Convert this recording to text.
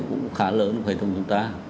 nói về vấn đề khá lớn của hệ thống chúng ta